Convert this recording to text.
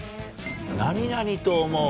何々と思う？